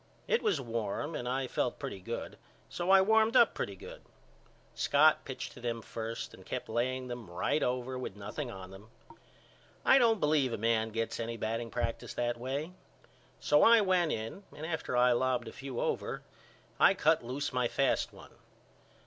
It was warm and I felt pretty good so I warmed up pretty good. Scott pitched to them first and kept laying them right over with nothing on them. I don't believe a man gets any batting practice that way. So I went in and after I lobbed a few over I cut loose my fast one.